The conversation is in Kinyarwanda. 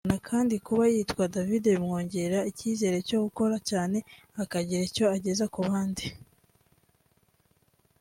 Arihangana kandi kuba yitwa David bimwongerera icyizere cyo gukora cyane akagira icyo ageza ku bandi